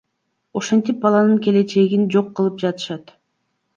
Ошентип баланын келечегин жок кылып жатышат.